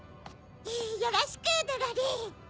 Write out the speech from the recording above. よろしくドロリン！